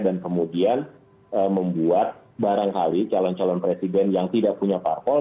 dan kemudian membuat barangkali calon calon presiden yang tidak punya parpol